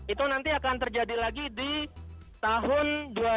itu nanti akan terjadi lagi di tahun dua ribu satu ratus sembilan puluh sembilan